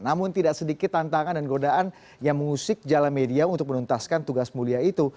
namun tidak sedikit tantangan dan godaan yang mengusik jalan media untuk menuntaskan tugas mulia itu